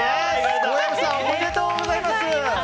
小籔さん、おめでとうございます。